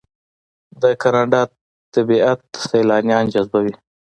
د کاناډا طبیعت سیلانیان جذبوي.